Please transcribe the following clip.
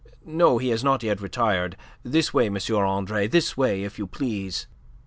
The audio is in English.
No, he has not yet retired. This way, M. Andre; this way, if you please."